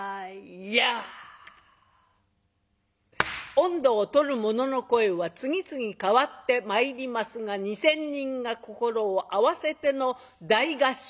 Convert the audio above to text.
音頭を取る者の声は次々変わってまいりますが２，０００人が心を合わせての大合唱。